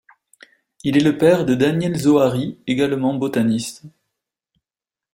Il est le père de Daniel Zohary, également botaniste.